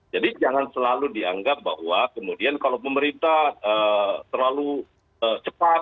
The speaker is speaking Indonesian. jadi jangan selalu dianggap bahwa kemudian kalau pemerintah terlalu cepat